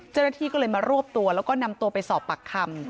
เจ้านาทีก็เลยมารวบตัวและนำตัวเดินไปสอบปากคำ